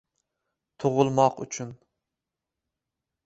tugʼilmoq uchun